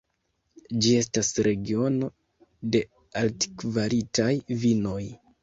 Ĝi estas regiono de altkvalitaj vinoj.